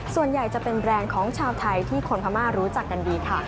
ส่วนใหญ่จะเป็นแบรนด์ของชาวไทยที่คนพม่ารู้จักกันดีค่ะ